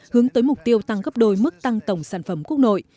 hướng tới mục tiêu tăng gấp đôi mức tăng tổng sản phẩm quốc nội